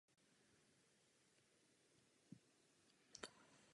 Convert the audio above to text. Mimo toto moře se vyskytuje na východním pobřeží Atlantského oceánu.